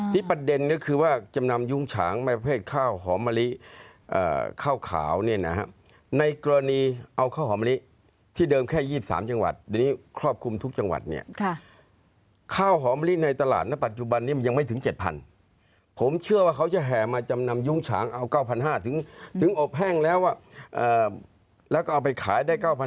ที่ประเด็นก็คือจำนำยุ้งฉางมาแพทย์ข้าวหอมรีข้าวขาวในกรณีเอาข้าวหอมรีที่เดิมแค่๒๓จังหวัดเดี๋ยวนี้ครอบคุมทุกจังหวัดเนี่ยข้าวหอมรีในตลาดในปัจจุบันนี้ยังไม่ถึง๗๐๐๐อาทิตย์ผมเชื่อว่าเขาจะแห่มมาจำนำยุ้งฉางเอา๙๕๐๐ถึงอบแห้งแล้วก็เอาไปขายได้